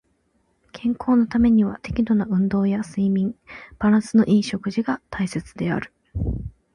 健康のためには適度な運動や睡眠、バランスの良い食事が大切である。